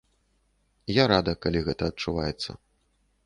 Я рада, калі гэта адчуваецца.